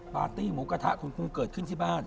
ปาร์ตี้หมูกระทะคุณครูเกิดขึ้นที่บ้าน